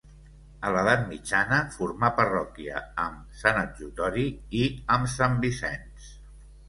A l'edat mitjana formà parròquia amb Sant Adjutori i amb Sant Vicenç.